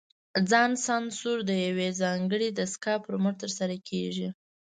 ځان سانسور د یوې ځانګړې دستګاه پر مټ ترسره کېږي.